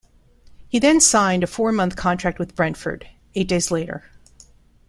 He then signed a four-month contract with Brentford, eight days later.